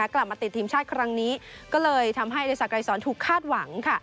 กลับมาติดทีมชาติครั้งนี้ก็เลยทำให้เดสักรายสอนถูกคาดหวัง